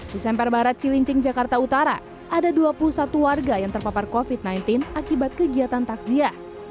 di semper barat cilincing jakarta utara ada dua puluh satu warga yang terpapar covid sembilan belas akibat kegiatan takziah